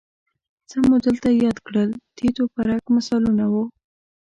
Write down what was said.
څه مو دلته یاد کړل تیت و پرک مثالونه وو